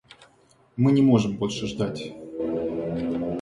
Мы не можем больше ждать.